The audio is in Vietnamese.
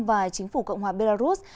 và chính phủ cộng hòa belarus